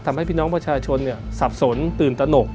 ทำให้พี่น้องประชาชนสับสนตื่นตนก